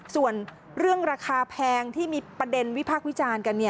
ส่วนเรื่องราคาแพงที่มีประเด็นวิพากษ์วิจารณ์กัน